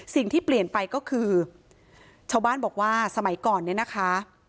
สิ่งที่เปลี่ยนไปก็คือชาวบ้านบอกว่าสมัยก่อนเนี่ยนะคะ